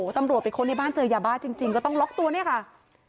ตำรวจไปค้นในบ้านเจอยาบ้าจริงก็ต้องล็อกตัวเนี่ยค่ะ